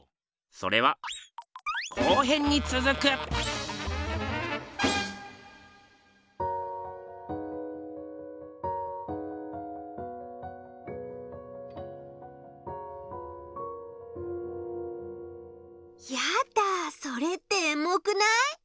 それはやだそれってエモくない？